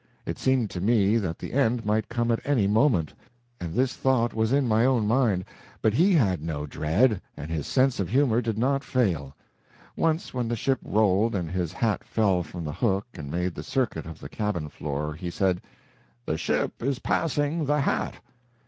It seemed to me that the end might come at any moment, and this thought was in his own mind, but he had no dread, and his sense of humor did not fail. Once when the ship rolled and his hat fell from the hook and made the circuit of the cabin floor, he said: "The ship is passing the hat."